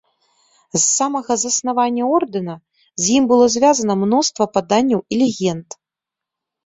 З самага заснавання ордэна, з ім было звязана мноства паданняў і легенд.